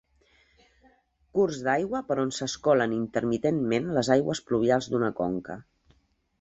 Curs d'aigua per on s'escolen intermitentment les aigües pluvials d'una conca.